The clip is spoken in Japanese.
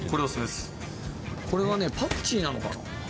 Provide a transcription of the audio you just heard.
これはパクチーなのかな？